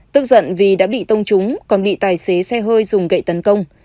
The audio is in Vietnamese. tức giận vì đã bị tông trúng còn bị tài xế xe hơi dùng gậy tấn công